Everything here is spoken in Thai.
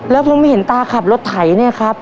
แล้วผมเห็นตาขับรถไถเนี่ยครับ